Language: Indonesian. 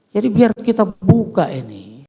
jadi biar kita buka ini